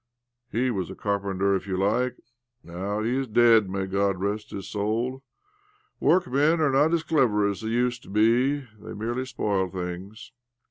He was a carpenter, if you like ! Now he is dead, may God rest his soul ! •Workmen are not as clever as they used to be— they merely spoil things."